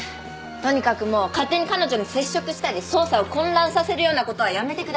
とにかくもう勝手に彼女に接触したり捜査を混乱させるようなことはやめてください。